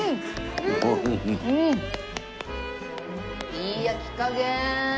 いい焼き加減。